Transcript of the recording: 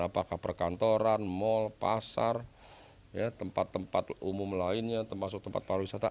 apakah perkantoran mal pasar tempat tempat umum lainnya termasuk tempat pariwisata